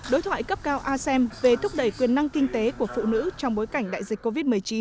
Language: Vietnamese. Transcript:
đối thoại cấp cao asem về thúc đẩy quyền năng kinh tế của phụ nữ trong bối cảnh đại dịch covid một mươi chín